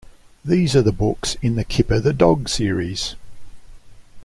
These are the books in the "Kipper the Dog" series.